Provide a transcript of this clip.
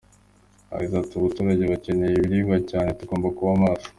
Yagize ati “Abaturage bakeneye ibiribwa cyane, tugomba kuba maso.